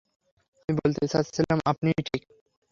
আমি বলতে চাচ্ছিলাম আপনিই ঠিক।